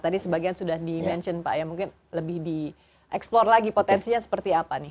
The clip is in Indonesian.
tadi sebagian sudah di mention pak ya mungkin lebih di explor lagi potensinya seperti apa nih